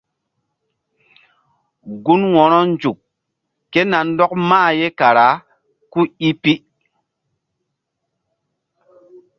Gun wo̧ronzuk ké na ndɔk mah ye kara ku i pi.